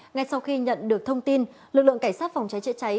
ngay sau khi nhận được thông tin lực lượng cảnh sát phòng cháy chữa cháy